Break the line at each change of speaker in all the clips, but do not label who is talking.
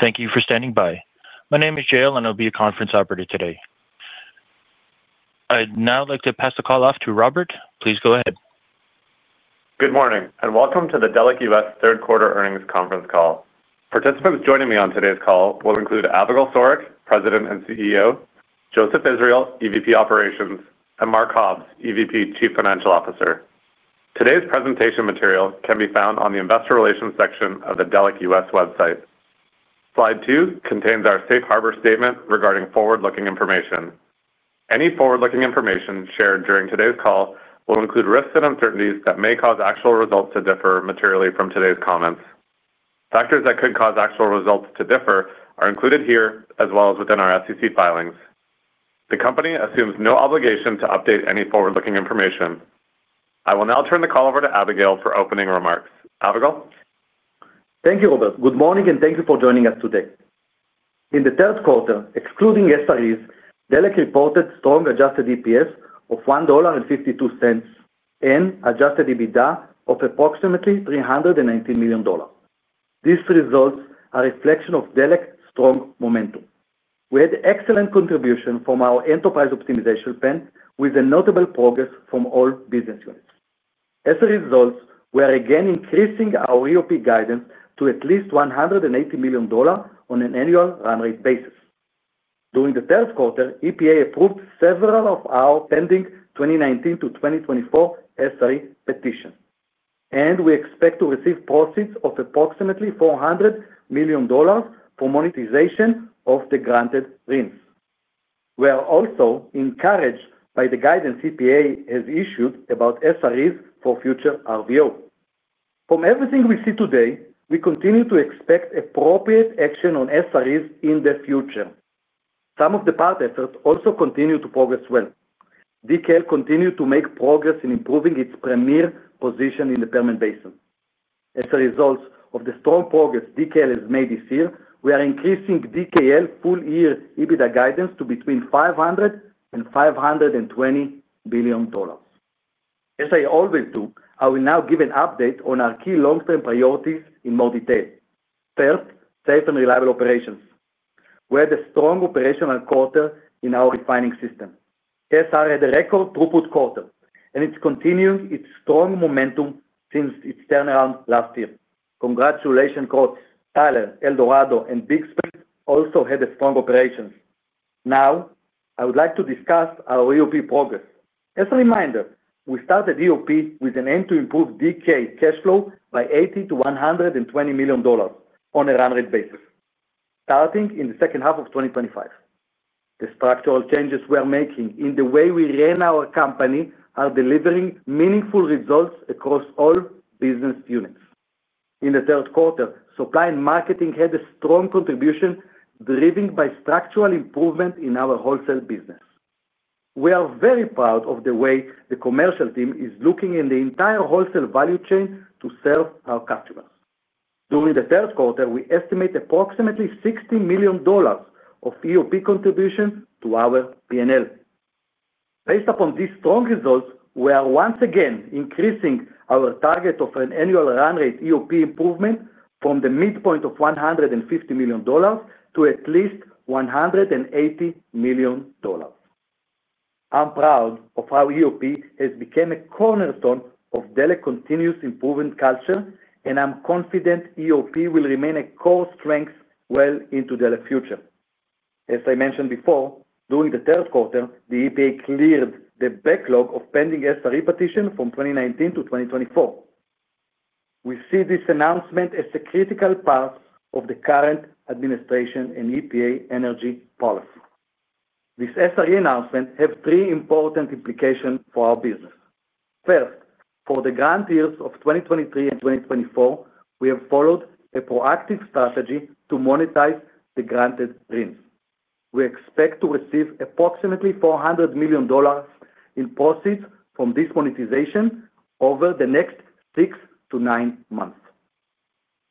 Thank you for standing by. My name is Jale, and I'll be your conference operator today. I'd now like to pass the call off to Robert. Please go ahead.
Good morning, and welcome to the Delek US Third Quarter Earnings Conference Call. Participants joining me on today's call will include Avigal Sorek, President and CEO; Joseph Israel, EVP Operations; and Mark Hobbs, EVP Chief Financial Officer. Today's presentation material can be found on the Investor Relations section of the Delek U.S. website. Slide two contains our Safe Harbor Statement regarding forward-looking information. Any forward-looking information shared during today's call will include risks and uncertainties that may cause actual results to differ materially from today's comments. Factors that could cause actual results to differ are included here, as well as within our SEC filings. The company assumes no obligation to update any forward-looking information. I will now turn the call over to Abigail for opening remarks. Avigal?
Thank you, Robert. Good morning, and thank you for joining us today. In the third quarter, excluding SREs, Delek reported strong adjusted EPS of $1.52 and adjusted EBITDA of approximately $319 million. These results are a reflection of Delek's strong momentum. We had excellent contribution from our enterprise optimization plan, with notable progress from all business units. As a result, we are again increasing our EOP guidance to at least $180 million on an annual run rate basis. During the third quarter, EPA approved several of our pending 2019 SRE petitions- 2024 SRE petitions, and we expect to receive profits of approximately $400 million for monetization of the granted RINs. We are also encouraged by the guidance EPA has issued about SREs for future RVO. From everything we see today, we continue to expect appropriate action on SREs in the future. Some of the part efforts also continue to progress well. DKL continues to make progress in improving its premier position in the Permian Basin. As a result of the strong progress DKL has made this year, we are increasing DKL full-year EBITDA guidance to between $500 million and $520 million. As I always do, I will now give an update on our key long-term priorities in more detail. First, safe and reliable operations. We had a strong operational quarter in our refining system. SR had a record throughput quarter, and it's continuing its strong momentum since its turnaround last year. Congratulations, Krotz Springs, Tyler, El Dorado, and Big Spring also had strong operations. Now, I would like to discuss our EOP progress. As a reminder, we started EOP with an aim to improve DK cash flow by $80 million-$120 million on a run rate basis, starting in the second half of 2025. The structural changes we are making in the way we ran our company are delivering meaningful results across all business units. In the third quarter, supply and marketing had a strong contribution, driven by structural improvement in our wholesale business. We are very proud of the way the commercial team is looking in the entire wholesale value chain to serve our customers. During the third quarter, we estimate approximately $60 million of EOP contribution to our P&L. Based upon these strong results, we are once again increasing our target of an annual run rate EOP improvement from the midpoint of $150 million to at least $180 million. I'm proud of how EOP has become a cornerstone of Delek's continuous improvement culture, and I'm confident EOP will remain a core strength well into the future. As I mentioned before, during the third quarter, the EPA cleared the backlog of pending SRE petition from 2019-2024. We see this announcement as a critical part of the current administration and EPA energy policy. This SRE announcement has three important implications for our business. First, for the grant years of 2023 and 2024, we have followed a proactive strategy to monetize the granted RINs. We expect to receive approximately $400 million in profits from this monetization over the next six to nine months.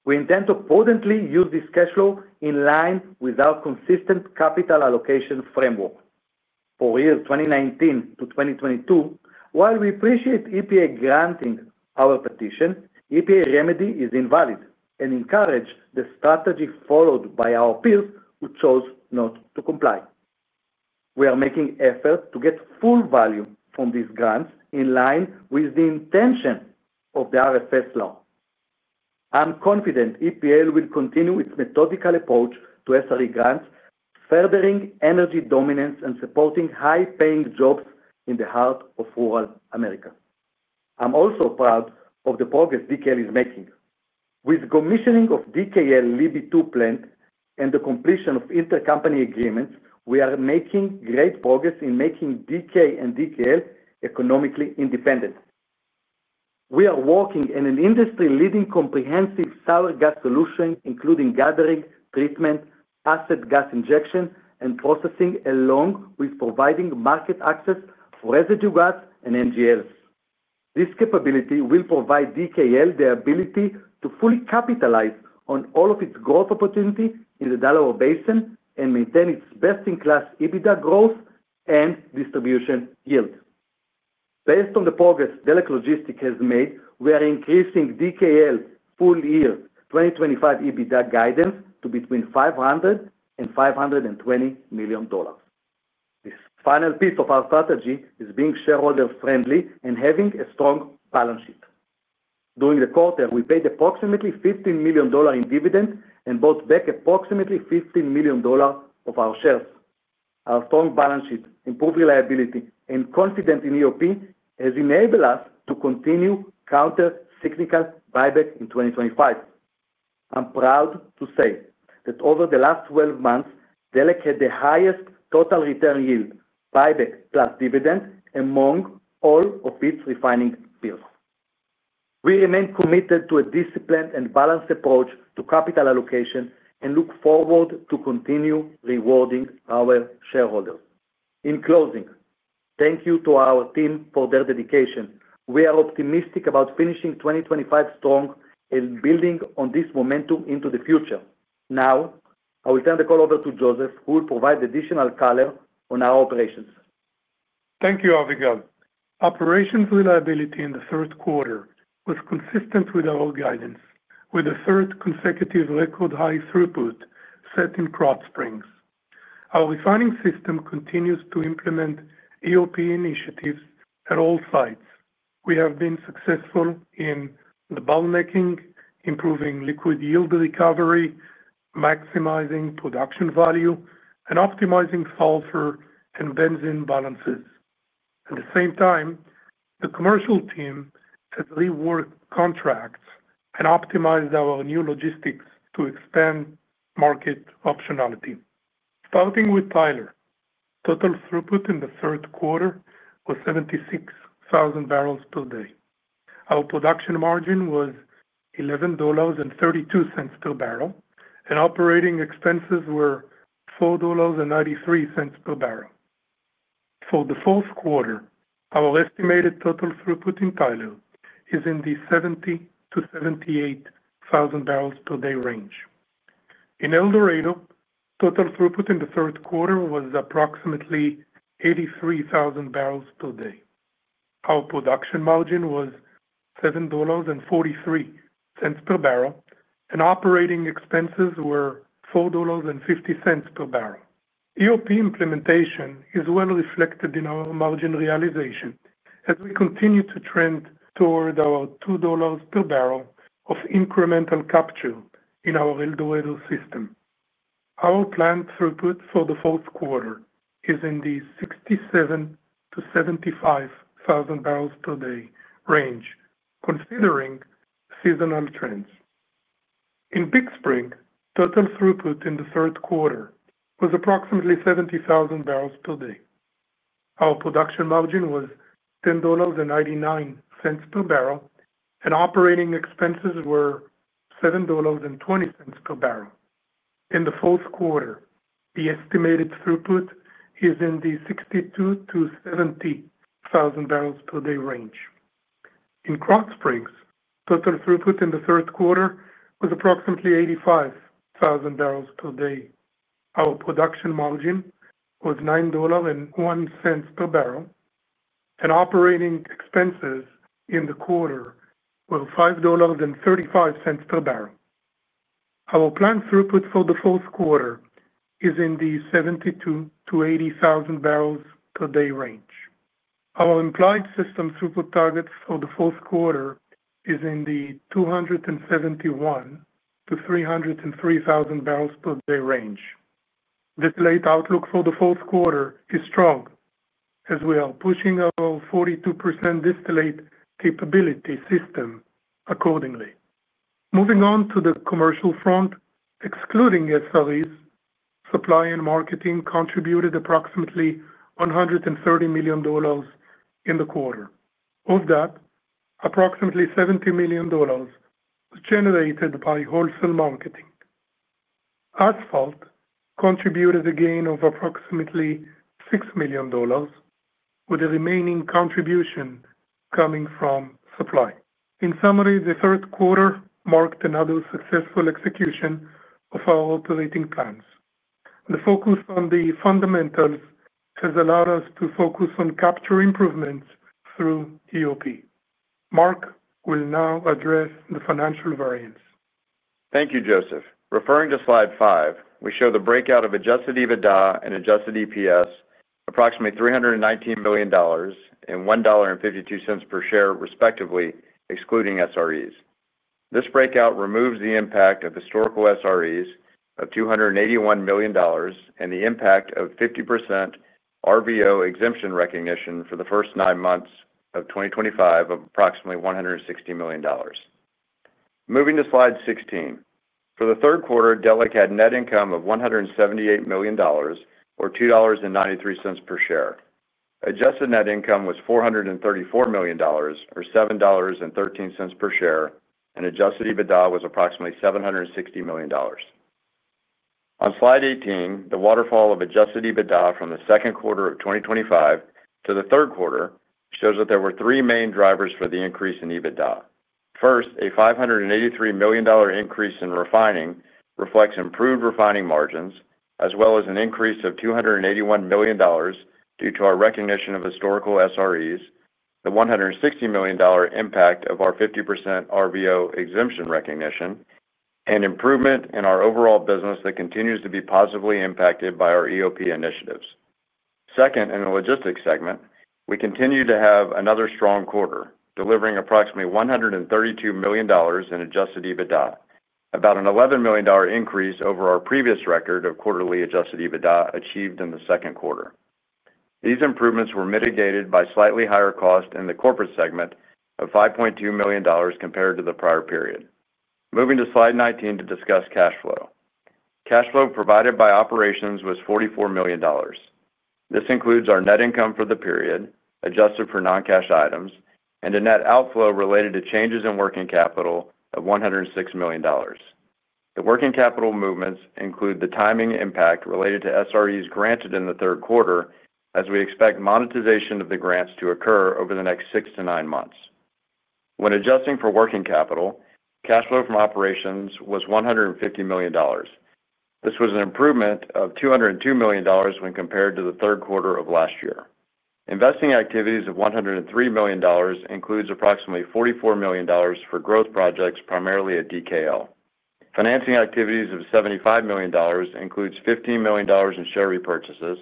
We intend to prudently use this cash flow in line with our consistent capital allocation framework. For years 2019-2022, while we appreciate EPA granting our petition, EPA remedy is invalid and encourages the strategy followed by our peers who chose not to comply. We are making efforts to get full value from these grants in line with the intention of the RFS law. I'm confident EPA will continue its methodical approach to SRE grants, furthering energy dominance and supporting high-paying jobs in the heart of rural America. I'm also proud of the progress DKL is making. With the commissioning of DKL LIBI II plant and the completion of intercompany agreements, we are making great progress in making DK and DKL economically independent. We are working in an industry-leading comprehensive sour gas solution, including gathering, treatment, asset gas injection, and processing, along with providing market access for residual gas and NGLs. This capability will provide DKL the ability to fully capitalize on all of its growth opportunities in the Delaware Basin and maintain its best-in-class EBITDA growth and distribution yield. Based on the progress Delek Logistics has made, we are increasing DKL full-year 2025 EBITDA guidance to between $500 million and $520 million. This final piece of our strategy is being shareholder-friendly and having a strong balance sheet. During the quarter, we paid approximately $15 million in dividend and bought back approximately $15 million of our shares. Our strong balance sheet, improved reliability, and confidence in EOP have enabled us to continue counter-cyclical buyback in 2025. I'm proud to say that over the last 12 months, Delek had the highest total return yield, buyback plus dividend, among all of its refining peers. We remain committed to a disciplined and balanced approach to capital allocation and look forward to continuing rewarding our shareholders. In closing, thank you to our team for their dedication. We are optimistic about finishing 2025 strong and building on this momentum into the future. Now, I will turn the call over to Joseph, who will provide additional color on our operations.
Thank you, Avigal. Operations reliability in the third quarter was consistent with our guidance, with the third consecutive record high throughput set in Krotz Springs. Our refining system continues to implement EOP initiatives at all sites. We have been successful in debottlenecking, improving liquid yield recovery, maximizing production value, and optimizing sulfur and benzene balances. At the same time, the commercial team has reworked contracts and optimized our new logistics to expand market optionality. Starting with Tyler, total throughput in the third quarter was 76,000 barrels per day. Our production margin was $11.32 per barrel, and operating expenses were $4.93 per barrel. For the fourth quarter, our estimated total throughput in Tyler is in the 70,000 barrels-78,000 barrels per day range. In El Dorado, total throughput in the third quarter was approximately 83,000 barrels per day. Our production margin was $7.43 per barrel, and operating expenses were $4.50 per barrel. EOP implementation is well reflected in our margin realization, as we continue to trend toward our $2 per barrel of incremental capture in our El Dorado system. Our planned throughput for the fourth quarter is in the 67,000 barrels-75,000 barrels per day range, considering seasonal trends. In Big Spring, total throughput in the third quarter was approximately 70,000 barrels per day. Our production margin was $10.99 per barrel, and operating expenses were $7.20 per barrel. In the fourth quarter, the estimated throughput is in the 62,000 barrels-70,000 barrels per day range. In Krotz Springs, total throughput in the third quarter was approximately 85,000 barrels per day. Our production margin was $9.01 per barrel, and operating expenses in the quarter were $5.35 per barrel. Our planned throughput for the fourth quarter is in the 72,000 barrels-80,000 barrels per day range. Our implied system throughput target for the fourth quarter is in the 271,000 barrels-303,000 barrels per day range. Distillate outlook for the fourth quarter is strong, as we are pushing our 42% distillate capability system accordingly. Moving on to the commercial front, excluding SREs, supply and marketing contributed approximately $130 million in the quarter. Of that, approximately $70 million was generated by wholesale marketing. Asphalt contributed a gain of approximately $6 million, with the remaining contribution coming from supply. In summary, the third quarter marked another successful execution of our operating plans. The focus on the fundamentals has allowed us to focus on capture improvements through EOP. Mark will now address the financial variance.
Thank you, Joseph. Referring to slide five, we show the breakout of adjusted EBITDA and adjusted EPS, approximately $319 million and $1.52 per share, respectively, excluding SREs. This breakout removes the impact of historical SREs of $281 million and the impact of 50% RVO exemption recognition for the first nine months of 2025 of approximately $160 million. Moving to slide 16. For the third quarter, Delek had net income of $178 million, or $2.93 per share. Adjusted net income was $434 million, or $7.13 per share, and adjusted EBITDA was approximately $760 million. On slide 18, the waterfall of adjusted EBITDA from the second quarter of 2025 to the third quarter shows that there were three main drivers for the increase in EBITDA. First, a $583 million increase in refining reflects improved refining margins, as well as an increase of $281 million due to our recognition of historical SREs, the $160 million impact of our 50% RVO exemption recognition, and improvement in our overall business that continues to be positively impacted by our EOP initiatives. Second, in the logistics segment, we continue to have another strong quarter, delivering approximately $132 million in adjusted EBITDA, about an $11 million increase over our previous record of quarterly adjusted EBITDA achieved in the second quarter. These improvements were mitigated by slightly higher cost in the corporate segment of $5.2 million compared to the prior period. Moving to slide 19 to discuss cash flow. Cash flow provided by operations was $44 million. This includes our net income for the period, adjusted for non-cash items, and a net outflow related to changes in working capital of $106 million. The working capital movements include the timing impact related to SREs granted in the third quarter, as we expect monetization of the grants to occur over the next six-nine months. When adjusting for working capital, cash flow from operations was $150 million. This was an improvement of $202 million when compared to the third quarter of last year. Investing activities of $103 million includes approximately $44 million for growth projects, primarily at DKL. Financing activities of $75 million includes $15 million in share repurchases,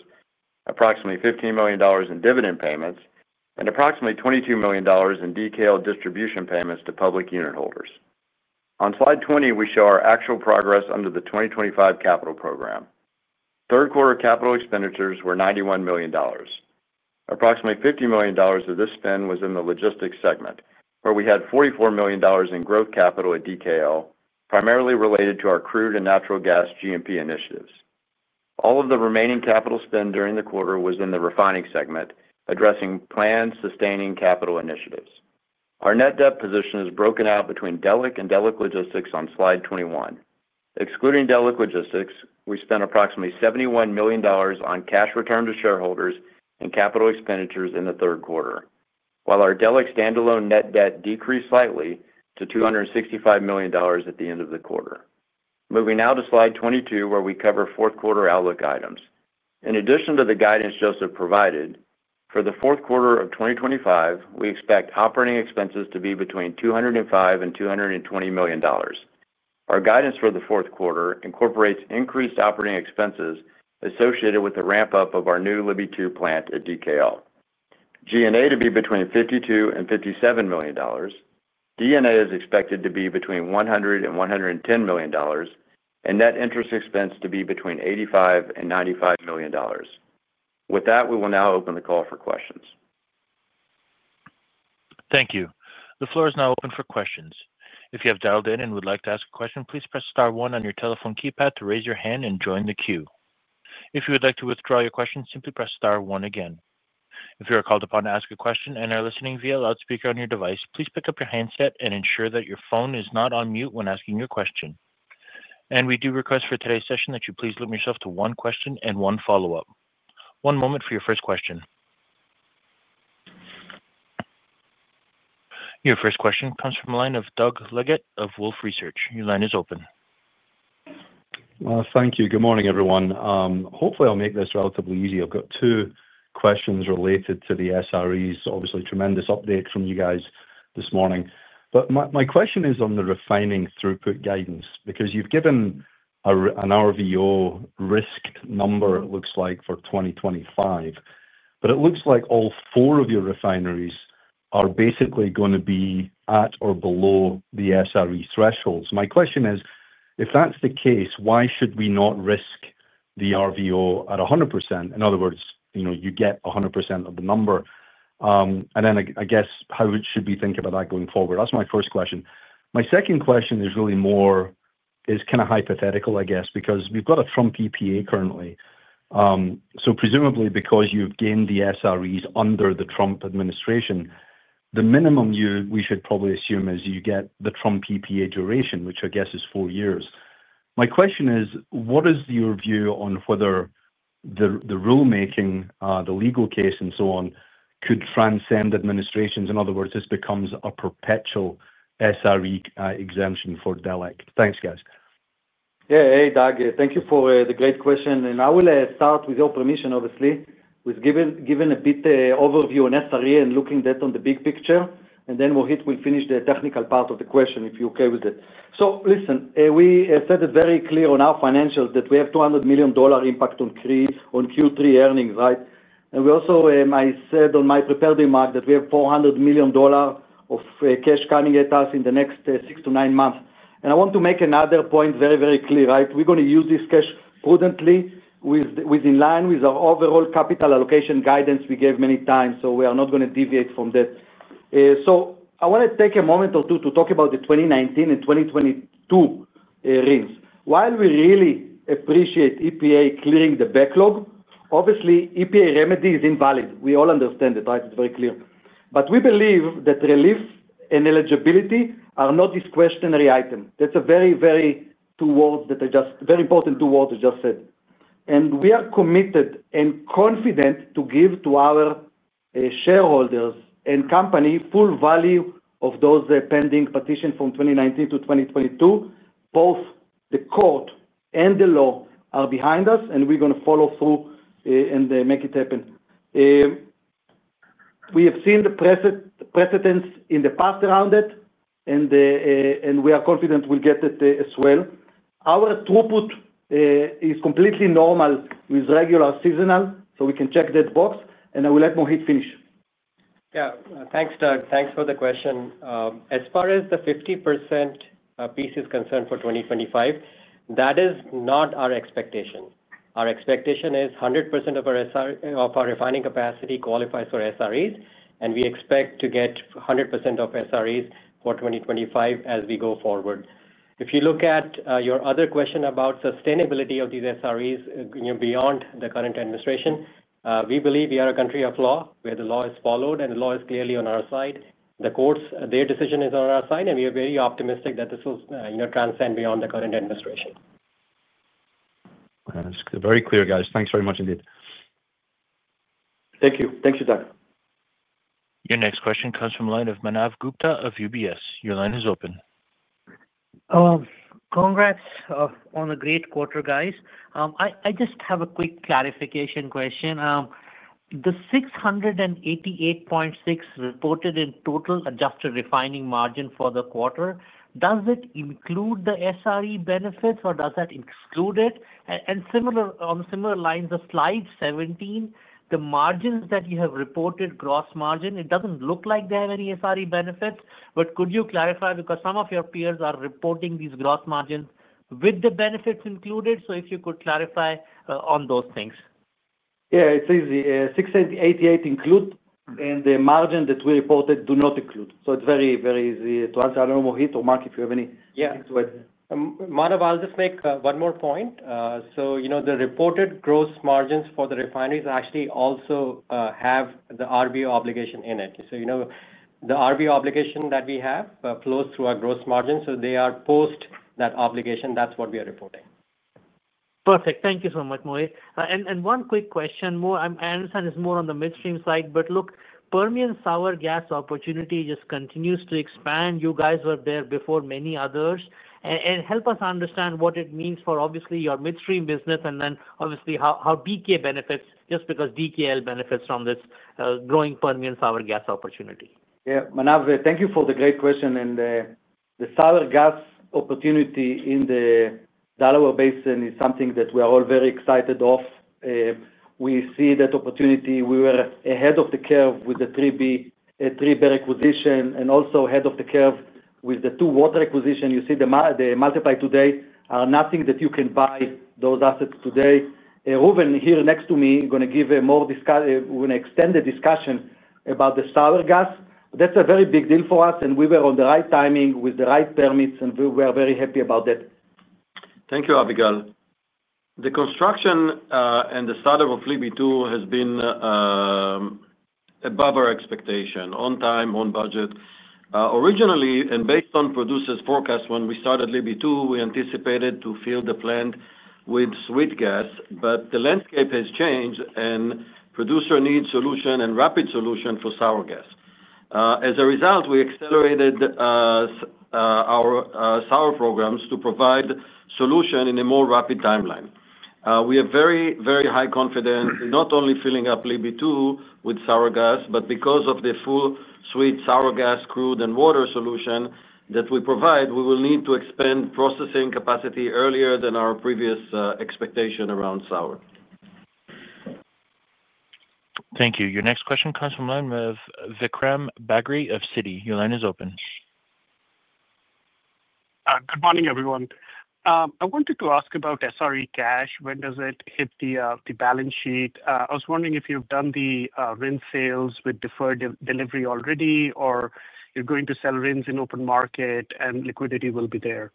approximately $15 million in dividend payments, and approximately $22 million in DKL distribution payments to public unit holders. On slide 20, we show our actual progress under the 2025 capital program. Third quarter capital expenditures were $91 million. Approximately $50 million of this spend was in the logistics segment, where we had $44 million in growth capital at DKL, primarily related to our crude and natural gas GMP initiatives. All of the remaining capital spend during the quarter was in the refining segment, addressing planned sustaining capital initiatives. Our net debt position is broken out between Delek and Delek Logistics on slide 21. Excluding Delek Logistics, we spent approximately $71 million on cash return to shareholders and capital expenditures in the third quarter, while our Delek standalone net debt decreased slightly to $265 million at the end of the quarter. Moving now to slide 22, where we cover fourth quarter outlook items. In addition to the guidance Joseph provided, for the fourth quarter of 2025, we expect operating expenses to be between $205 million-$220 million. Our guidance for the fourth quarter incorporates increased operating expenses associated with the ramp-up of our new LIBI II plant at DKL. G&A to be between $52 million-$57 million. D&A is expected to be between $100 million-$110 million, and net interest expense to be between $85million-$95 million. With that, we will now open the call for questions.
Thank you. The floor is now open for questions. If you have dialed in and would like to ask a question, please press star one on your telephone keypad to raise your hand and join the queue. If you would like to withdraw your question, simply press star one again. If you are called upon to ask a question and are listening via loudspeaker on your device, please pick up your handset and ensure that your phone is not on mute when asking your question. We do request for today's session that you please limit yourself to one question and one follow-up. One moment for your first question. Your first question comes from a line of Doug Leggett of Wolfe Research. Your line is open.
Thank you. Good morning, everyone. Hopefully, I'll make this relatively easy. I've got two questions related to the SREs. Obviously, tremendous update from you guys this morning. My question is on the refining throughput guidance, because you've given an RVO risk number, it looks like, for 2025. It looks like all four of your refineries are basically going to be at or below the SRE thresholds. My question is, if that's the case, why should we not risk the RVO at 100%? In other words, you get 100% of the number. I guess how we should be thinking about that going forward. That's my first question. My second question is really more kind of hypothetical, I guess, because we've got a Trump EPA currently. Presumably, because you've gained the SREs under the Trump administration, the minimum we should probably assume is you get the Trump EPA duration, which I guess is four years. My question is, what is your view on whether the rulemaking, the legal case, and so on could transcend administrations? In other words, this becomes a perpetual SRE exemption for Delek. Thanks, guys.
Yeah. Hey, Doug. Thank you for the great question. I will start, with your permission, obviously, with giving a bit of overview on SRE and looking at that on the big picture. Then Mohit will finish the technical part of the question, if you're okay with it. Listen, we said it very clear on our financials that we have $200 million impact on Q3 earnings, right? I also said on my prepared remark that we have $400 million of cash coming at us in the next six to nine months. I want to make another point very, very clear, right? We're going to use this cash prudently, within line with our overall capital allocation guidance we gave many times. We are not going to deviate from that. I want to take a moment or two to talk about the 2019 RINs and 2022 RINs. While we really appreciate EPA clearing the backlog, obviously, EPA remedy is invalid. We all understand that, right? It is very clear. We believe that relief and eligibility are not discretionary items. That is a very, very—two words that are just very important two words I just said. We are committed and confident to give to our shareholders and company full value of those pending petitions from 2019-2022. Both the court and the law are behind us, and we are going to follow through and make it happen. We have seen the precedents in the past around it, and we are confident we will get it as well. Our throughput is completely normal, with regular seasonal, so we can check that box. I will let Mohit finish.
Yeah. Thanks, Doug. Thanks for the question. As far as the 50% piece is concerned for 2025, that is not our expectation. Our expectation is 100% of our refining capacity qualifies for SREs, and we expect to get 100% of SREs for 2025 as we go forward. If you look at your other question about sustainability of these SREs beyond the current administration, we believe we are a country of law where the law is followed, and the law is clearly on our side. The courts, their decision is on our side, and we are very optimistic that this will transcend beyond the current administration.
Very clear, guys. Thanks very much indeed.
Thank you. Thank you, Doug.
Your next question comes from a line of Manav Gupta of UBS. Your line is open.
Congrats on a great quarter, guys. I just have a quick clarification question. The $688.6 reported in total adjusted refining margin for the quarter, does it include the SRE benefits, or does that exclude it? On a similar line, the slide 17, the margins that you have reported, gross margin, it does not look like they have any SRE benefits. Could you clarify, because some of your peers are reporting these gross margins with the benefits included? If you could clarify on those things.
Yeah. It's easy. 688 include and the margin that we reported do not include. So it's very, very easy to answer. I don't know, Mohit or Mark, if you have anything to add.
Yeah. Manav, I'll just make one more point. The reported gross margins for the refineries actually also have the RVO obligation in it. The RVO obligation that we have flows through our gross margin. They are post that obligation. That's what we are reporting.
Perfect. Thank you so much, Mohit. One quick question more. I understand it is more on the midstream side. Look, Permian Sour Gas opportunity just continues to expand. You guys were there before many others. Help us understand what it means for, obviously, your midstream business, and then, obviously, how Delek U.S. benefits just because DKL benefits from this growing Permian Sour Gas opportunity.
Yeah. Manav, thank you for the great question. The sour gas opportunity in the Delaware Basin is something that we are all very excited of. We see that opportunity. We were ahead of the curve with the 3B, 3B acquisition, and also ahead of the curve with the Two Water acquisition. You see the multiply today are nothing that you can buy those assets today. Reuven here next to me is going to give a more extended discussion about the sour gas. That is a very big deal for us, and we were on the right timing with the right permits, and we are very happy about that.
Thank you, Avigal. The construction and the startup of LIBI II has been above our expectation, on time, on budget. Originally, and based on producers' forecast, when we started LIBI II, we anticipated to fill the plant with sweet gas. But the landscape has changed, and producer needs solution and rapid solution for sour gas. As a result, we accelerated our sour programs to provide solution in a more rapid timeline. We have very, very high confidence in not only filling up LIBI II with sour gas, but because of the full sweet sour gas crude and water solution that we provide, we will need to expand processing capacity earlier than our previous expectation around sour.
Thank you. Your next question comes from a line of Vikram Bagri of Citi. Your line is open.
Good morning, everyone. I wanted to ask about SRE cash. When does it hit the balance sheet? I was wondering if you've done the RIN sales with deferred delivery already, or you're going to sell RINs in open market and liquidity will be there.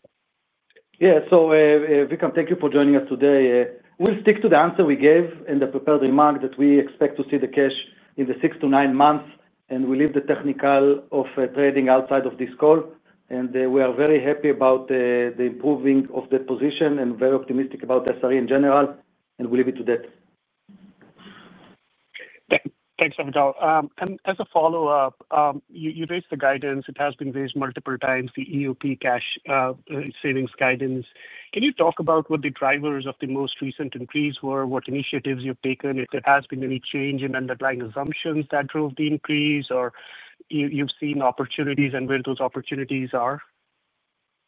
Yeah. Vikram, thank you for joining us today. We'll stick to the answer we gave in the prepared remark that we expect to see the cash in the six to nine months, and we'll leave the technical of trading outside of this call. We are very happy about the improving of the position and very optimistic about SRE in general, and we'll leave it to that.
Thanks, Abigail. As a follow-up, you raised the guidance. It has been raised multiple times, the EOP cash savings guidance. Can you talk about what the drivers of the most recent increase were, what initiatives you've taken, if there has been any change in underlying assumptions that drove the increase, or you've seen opportunities and where those opportunities are?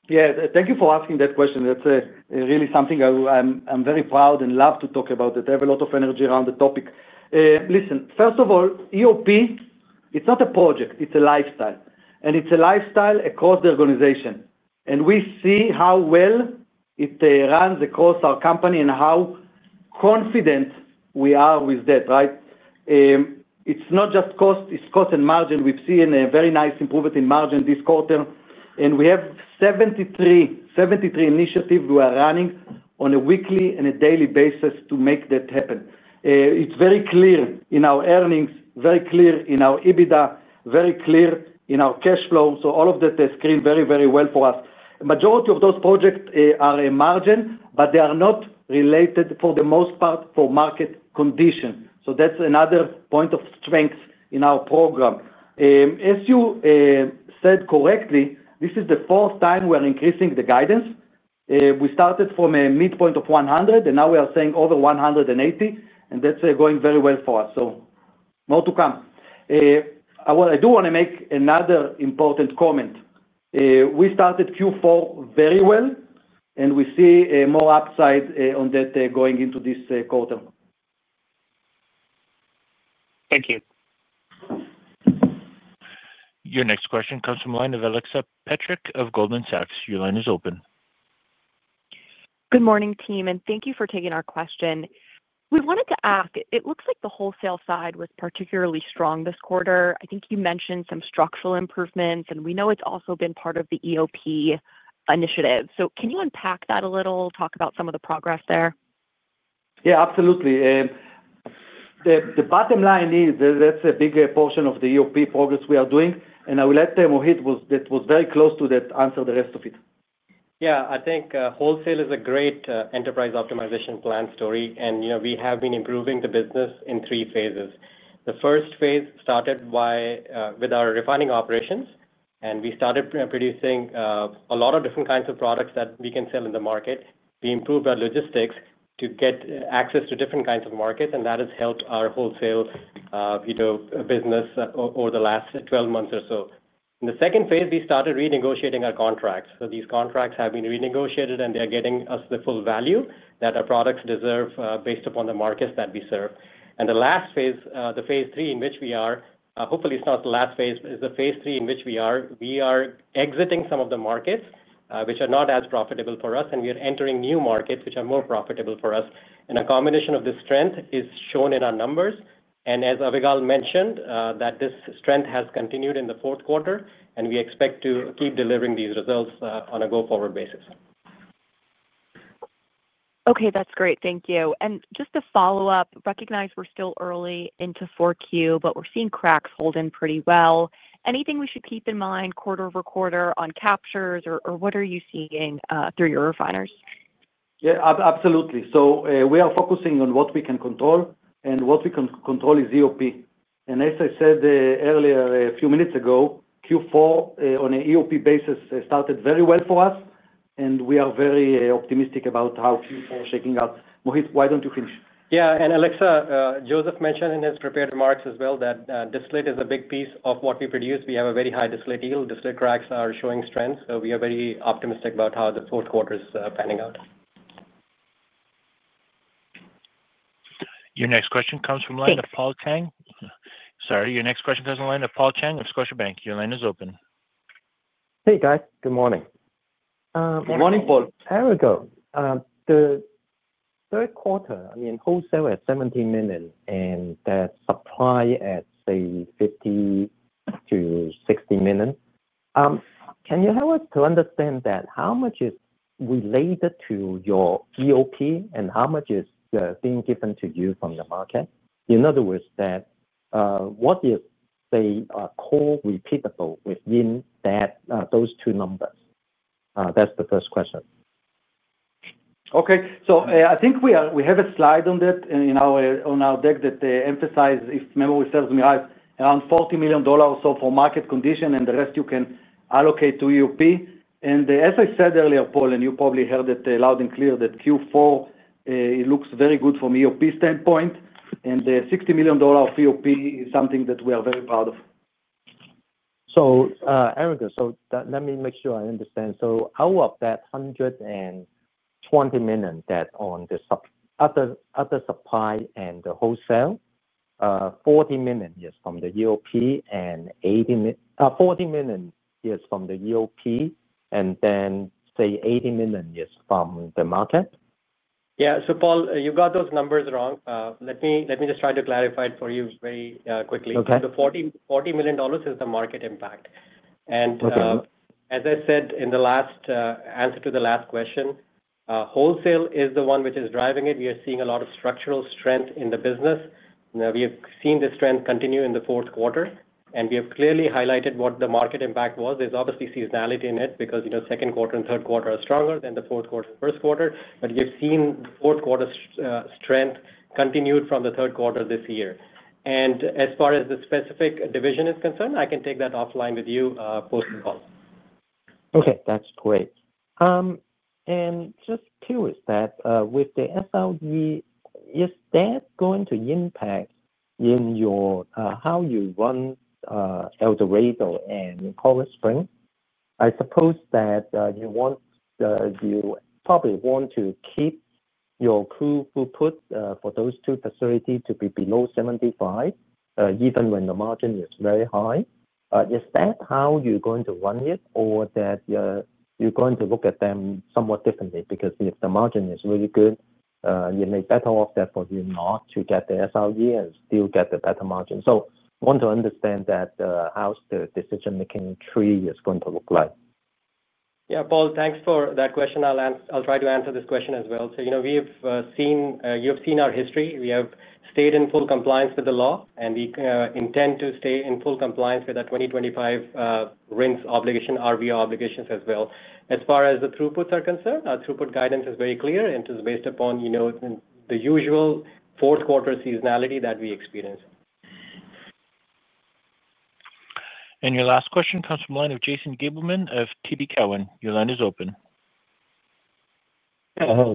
Yeah. Thank you for asking that question. That's really something I'm very proud and love to talk about. I have a lot of energy around the topic. Listen, first of all, EOP, it's not a project. It's a lifestyle. And it's a lifestyle across the organization. We see how well it runs across our company and how confident we are with that, right? It's not just cost. It's cost and margin. We've seen a very nice improvement in margin this quarter. We have 73 initiatives we are running on a weekly and a daily basis to make that happen. It's very clear in our earnings, very clear in our EBITDA, very clear in our cash flow. All of that has screened very, very well for us. The majority of those projects are a margin, but they are not related, for the most part, for market condition. That's another point of strength in our program. As you said correctly, this is the fourth time we are increasing the guidance. We started from a midpoint of $100, and now we are saying over $180, and that's going very well for us. More to come. I do want to make another important comment. We started Q4 very well, and we see more upside on that going into this quarter.
Thank you.
Your next question comes from a line of Alexa Petrick of Goldman Sachs. Your line is open.
Good morning, team, and thank you for taking our question. We wanted to ask, it looks like the wholesale side was particularly strong this quarter. I think you mentioned some structural improvements, and we know it's also been part of the EOP initiative. Can you unpack that a little, talk about some of the progress there?
Yeah, absolutely. The bottom line is that's a big portion of the EOP progress we are doing. I will let Mohit, that was very close to that, answer the rest of it.
Yeah. I think wholesale is a great enterprise optimization plan story, and we have been improving the business in three phases. The first phase started with our refining operations, and we started producing a lot of different kinds of products that we can sell in the market. We improved our logistics to get access to different kinds of markets, and that has helped our wholesale business over the last 12 months or so. In the second phase, we started renegotiating our contracts. These contracts have been renegotiated, and they're getting us the full value that our products deserve based upon the markets that we serve. The last phase, the phase III in which we are, hopefully, it's not the last phase, but it's the phase III in which we are. We are exiting some of the markets which are not as profitable for us, and we are entering new markets which are more profitable for us. A combination of this strength is shown in our numbers. As Avigal Soreq mentioned, this strength has continued in the fourth quarter, and we expect to keep delivering these results on a go-forward basis.
Okay. That's great. Thank you. Just to follow up, recognize we're still early into Q4, but we're seeing cracks hold in pretty well. Anything we should keep in mind quarter over quarter on captures, or what are you seeing through your refiners?
Yeah. Absolutely. We are focusing on what we can control, and what we can control is EOP. As I said earlier, a few minutes ago, Q4 on an EOP basis started very well for us, and we are very optimistic about how Q4 is shaking up. Mohit, why don't you finish?
Yeah. Alexa, Joseph mentioned in his prepared remarks as well that distillate is a big piece of what we produce. We have a very high distillate yield. Distillate cracks are showing strength. We are very optimistic about how the fourth quarter is panning out.
Your next question comes from a line of Paul Chang of Scotiabank. Your line is open.
Hey, guys. Good morning.
Good morning, Paul.
There we go. The third quarter, I mean, wholesale at $17 million, and supply at, say, $50-$60 million. Can you help us to understand that how much is related to your EOP and how much is being given to you from the market? In other words, what is, say, core repeatable within those two numbers? That's the first question.
Okay. I think we have a slide on that in our deck that emphasizes, if memory serves me right, around $40 million or so for market condition, and the rest you can allocate to EOP. As I said earlier, Paul, and you probably heard it loud and clear, that Q4, it looks very good from EOP standpoint, and the $60 million EOP is something that we are very proud of.
Let me make sure I understand. Out of that $120 million that on the other supply and the wholesale, $40 million is from the EOP and $40 million is from the EOP, and then, say, $80 million is from the market?
Yeah. Paul, you got those numbers wrong. Let me just try to clarify it for you very quickly. The $40 million is the market impact. As I said in the last answer to the last question, wholesale is the one which is driving it. We are seeing a lot of structural strength in the business. We have seen the strength continue in the fourth quarter, and we have clearly highlighted what the market impact was. There is obviously seasonality in it because second quarter and third quarter are stronger than the fourth quarter and first quarter. You have seen the fourth quarter strength continued from the third quarter this year. As far as the specific division is concerned, I can take that offline with you post the call.
Okay. That's great. Just curious, with the SRE, is that going to impact how you run El Dorado and Krotz Springs? I suppose that you probably want to keep your crude throughput for those two facilities to be below 75, even when the margin is very high. Is that how you're going to run it, or are you going to look at them somewhat differently? Because if the margin is really good, it may be better off for you not to get the SRE and still get the better margin. I want to understand how the decision-making tree is going to look like.
Yeah. Paul, thanks for that question. I'll try to answer this question as well. We have seen, you have seen our history. We have stayed in full compliance with the law, and we intend to stay in full compliance with our 2025 RVO obligations as well. As far as the throughputs are concerned, our throughput guidance is very clear, and it is based upon the usual fourth quarter seasonality that we experience.
Your last question comes from a line of Jason Gableman of TD Cowen. Your line is open.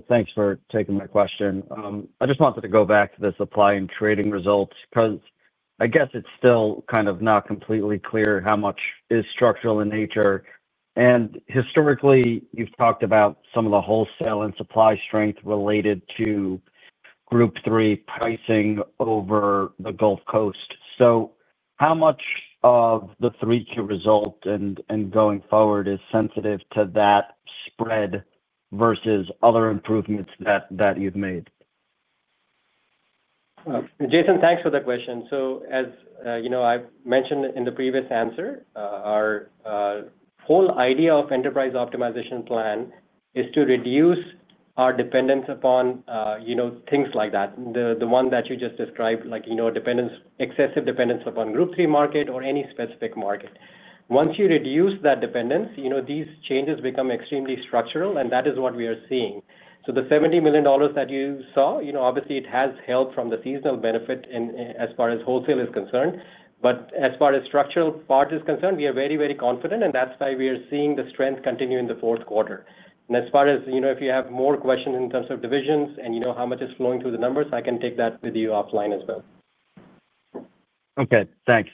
Thanks for taking my question. I just wanted to go back to the supply and trading results because I guess it's still kind of not completely clear how much is structural in nature. And historically, you've talked about some of the wholesale and supply strength related to Group 3 pricing over the Gulf Coast. So how much of the 3Q result and going forward is sensitive to that spread versus other improvements that you've made?
Jason, thanks for the question. As I have mentioned in the previous answer, our whole idea of enterprise optimization plan is to reduce our dependence upon things like that, the one that you just described, like excessive dependence upon Group 3 market or any specific market. Once you reduce that dependence, these changes become extremely structural, and that is what we are seeing. The $70 million that you saw, obviously, it has helped from the seasonal benefit as far as wholesale is concerned. As far as structural part is concerned, we are very, very confident, and that is why we are seeing the strength continue in the fourth quarter. If you have more questions in terms of divisions and how much is flowing through the numbers, I can take that with you offline as well.
Okay. Thanks.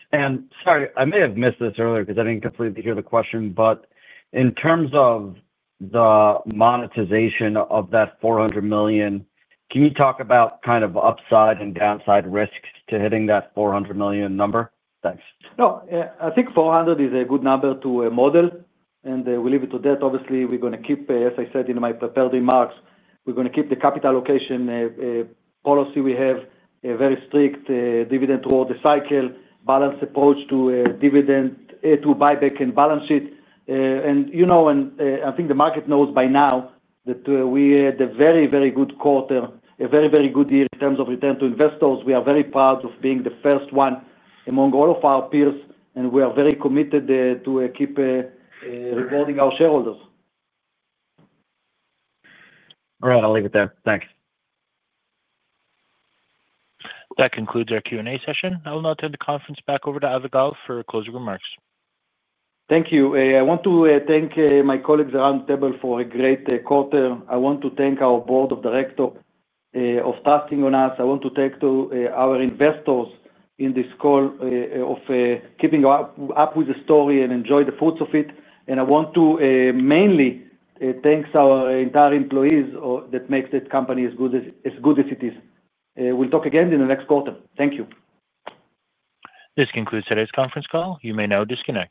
Sorry, I may have missed this earlier because I did not completely hear the question, but in terms of the monetization of that $400 million, can you talk about kind of upside and downside risks to hitting that $400 million number? Thanks.
No. I think $400 million is a good number to model, and we'll leave it to that. Obviously, we're going to keep, as I said in my prepared remarks, we're going to keep the capital allocation policy we have, a very strict dividend-to-order cycle balance approach to buyback and balance sheet. I think the market knows by now that we had a very, very good quarter, a very, very good year in terms of return to investors. We are very proud of being the first one among all of our peers, and we are very committed to keep rewarding our shareholders.
All right. I'll leave it there. Thanks.
That concludes our Q&A session. I'll now turn the conference back over to Avigal for closing remarks.
Thank you. I want to thank my colleagues around the table for a great quarter. I want to thank our board of directors for trusting in us. I want to thank our investors in this call for keeping up with the story and enjoy the fruits of it. I want to mainly thank our entire employees that make this company as good as it is. We will talk again in the next quarter. Thank you.
This concludes today's conference call. You may now disconnect.